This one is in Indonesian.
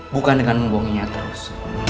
bukan dengan membohonginya terus